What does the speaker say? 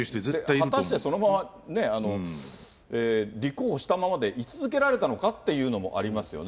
果たしてそのまま立候補したままでい続けられたのかっていうのもありますよね。